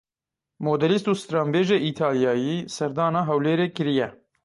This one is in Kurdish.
Modelîst û stranbêjê Îtalyayî serdana Hewlêrê kiriye.